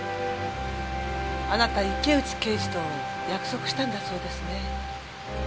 あなた池内刑事と約束したんだそうですね。